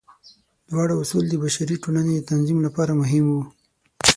دواړه اصول د بشري ټولنې د تنظیم لپاره مهم وو.